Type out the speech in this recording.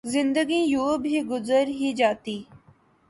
زندگی یوں بھی گزر ہی جاتی